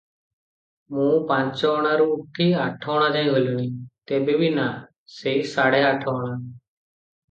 ମୁଁ ପାଞ୍ଚଅଣାରୁ ଉଠି ଆଠଅଣା ଯାଏ ଗଲିଣି, ତେବେ, ବି ନା, ସେଇ ସାଢେ ଆଠଅଣା ।